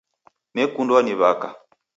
Nekundwa ni w'aka